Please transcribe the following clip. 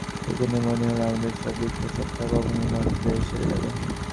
সেইজন্যে মনে হল, আমাদের সব দুঃখ সব তাপ আপনি মন্ত্রে সেরে যাবে।